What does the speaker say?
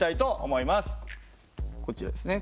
こちらですね。